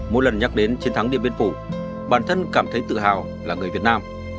mỗi lần nhắc đến chiến thắng điện biên phủ bản thân cảm thấy tự hào là người việt nam